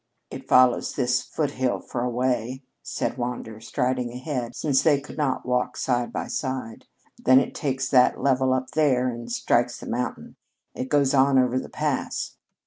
"It follows this foothill for a way," said Wander, striding ahead, since they could not walk side by side. "Then it takes that level up there and strikes the mountain. It goes on over the pass."